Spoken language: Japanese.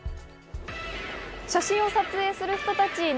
写真を撮影する人たち。